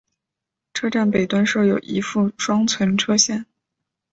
车站北端设有一副双存车线。